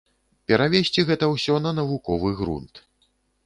Перавесці гэта ўсё на навуковы грунт.